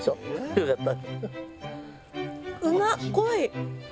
良かった。